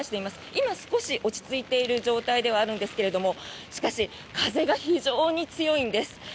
今、少し落ち着いている状態ではあるんですけどもしかし、風が非常に強いんです。